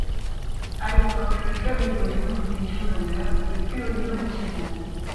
À l'époque, le club évolue en Division d'Honneur, le plus haut niveau national.